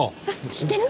知ってる？